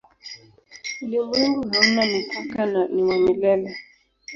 Ulimwengu hauna mipaka na ni wa milele.